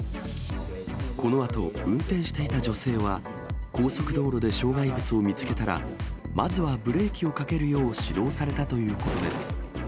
このあと、運転していた女性は、高速道路で障害物を見つけたら、まずはブレーキをかけるよう指導されたということです。